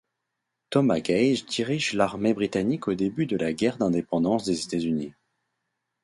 Thomas Gage dirige l'armée britannique au début de la guerre d'indépendance des États-Unis.